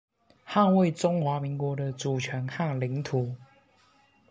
捍衛中華民國的主權和領土